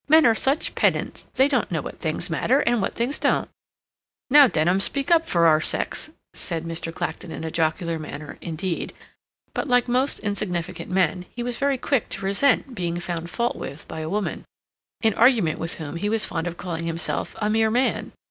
"Men are such pedants—they don't know what things matter, and what things don't." "Now, Denham, speak up for our sex," said Mr. Clacton in a jocular manner, indeed, but like most insignificant men he was very quick to resent being found fault with by a woman, in argument with whom he was fond of calling himself "a mere man."